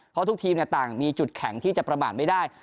เพราะทุกทีมต่างมีจุดแข็งที่จะประมาทไม่ได้